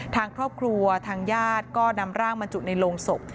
ทางครอบครัวทางญาติก็นำร่างบรรจุในโรงศพ